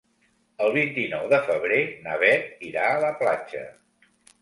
El vint-i-nou de febrer na Beth irà a la platja.